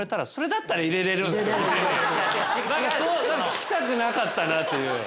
聞きたくなかったなという。